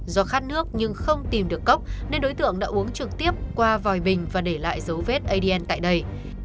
do khát nước nhưng không tìm được cốc nên đối tượng đã uống trực tiếp qua vòi bình và để lại dấu vết adn tại đây